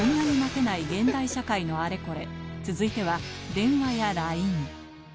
続いては電話やＬＩＮＥ